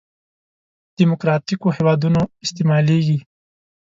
دیموکراتیکو هېوادونو استعمالېږي.